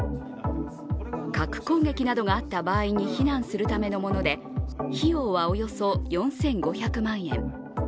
核攻撃などがあった場合に避難するためのもので、費用はおよそ４５００万円。